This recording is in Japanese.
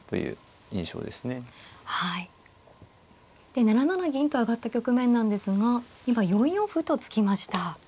で７七銀と上がった局面なんですが今４四歩と突きました。